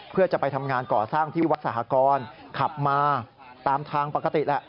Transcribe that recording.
เพื่อจะไปทำงานก่อสร้างที่วัดสหกรขับมาตามทางปกติแหละ